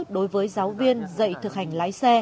đối với giáo viên dạy thực hành lái xe